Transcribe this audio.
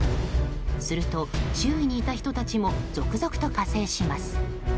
すると周囲にいた人たちも続々と加勢します。